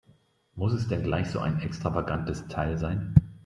Muss es denn gleich so ein extravagantes Teil sein?